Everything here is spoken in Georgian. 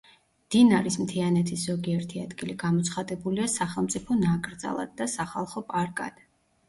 დინარის მთიანეთის ზოგიერთი ადგილი გამოცხადებულია სახელმწიფო ნაკრძალად და სახალხო პარკად.